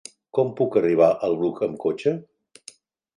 Com puc arribar al Bruc amb cotxe?